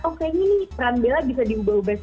oh kayak gini nih peran bella bisa diubah ubah sedikit